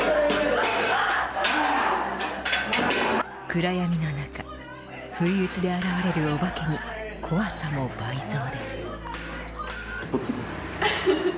暗闇の中ふいうちで現れるお化けに怖さも倍増。